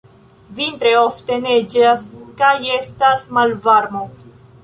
Vintre ofte neĝas kaj estas malvarmo.